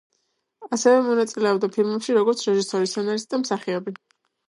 ასევე მონაწილეობდა ფილმებში როგორც: რეჟისორი, სცენარისტი და მსახიობი.